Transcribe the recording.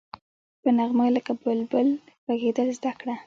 په نغمه لکه بلبل غږېدل زده کړه.